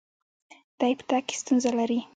دی په تګ کې ستونزه لري.